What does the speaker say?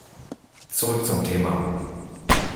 Zurück zum Thema.